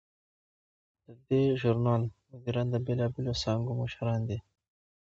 د دې ژورنال مدیران د بیلابیلو څانګو مشران دي.